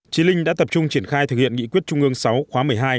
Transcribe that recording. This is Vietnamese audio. trí linh đã tập trung triển khai thực hiện nghị quyết trung ương sáu khóa một mươi hai